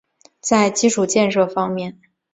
在基础建设方面